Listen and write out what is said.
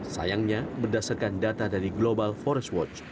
sayangnya berdasarkan data dari global forest watch